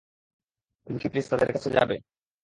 তুমি কি প্লিজ তাদের কাছে যাবে?